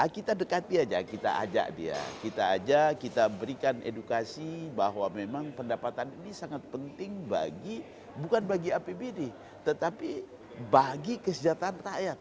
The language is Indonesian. kita dekati aja kita ajak dia kita ajak kita berikan edukasi bahwa memang pendapatan ini sangat penting bagi bukan bagi apbd tetapi bagi kesejahteraan rakyat